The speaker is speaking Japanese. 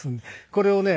これをね